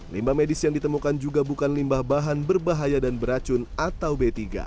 limbah medis yang ditemukan juga bukan limbah bahan berbahaya dan beracun atau b tiga